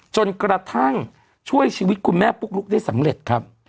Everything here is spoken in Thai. จนกระทั่งช่วยชีวิตคุณแม่ปุ๊กลุ๊กได้สำเร็จครับ